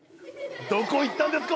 どこ行ったんですか？